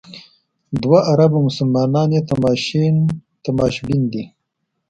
دوه اربه مسلمانان یې تماشبین دي.